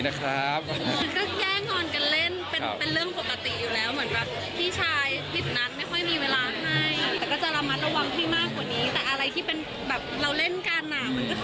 แต่อะไรที่เป็นแบบเราเล่นกันน่ะ